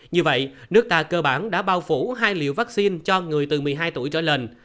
như vậy nước ta cơ bản đã bao phủ hai liều vaccine cho người từ một mươi hai tuổi trở lên